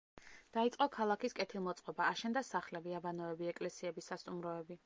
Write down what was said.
დაიწყო ქალაქის კეთილმოწყობა: აშენდა სახლები, აბანოები, ეკლესიები, სასტუმროები.